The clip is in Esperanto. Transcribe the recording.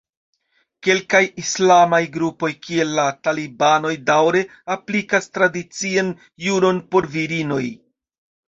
Kelkaj islamaj grupoj kiel la talibanoj daŭre aplikas tradician juron por virinoj.